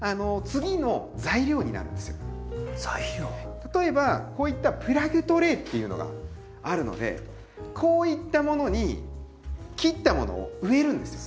例えばこういったプラグトレイっていうのがあるのでこういったものに切ったものを植えるんですよ。